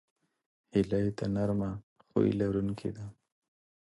هیلۍ د نرمه خوی لرونکې ده